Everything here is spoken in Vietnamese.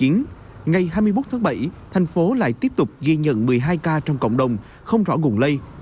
ngày hai mươi một tháng bảy thành phố lại tiếp tục ghi nhận một mươi hai ca trong cộng đồng không rõ nguồn lây